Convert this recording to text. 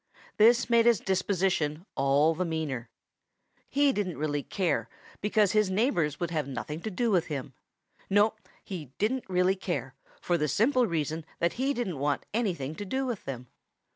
This made his disposition all the meaner. He didn't really care because his neighbors would have nothing to do with him. No, he didn't really care, for the simple reason that he didn't want anything to do with them.